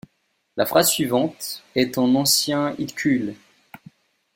La phrase suivante est en ancien ithkuil.